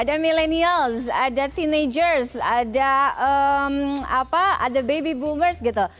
ada millennials ada teenagers ada baby boomers gitu